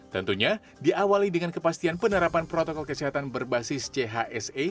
tentunya diawali dengan kepastian penerapan protokol kesehatan berbasis chse